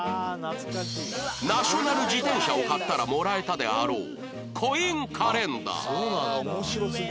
ナショナル自転車を買ったらもらえたであろうコインカレンダー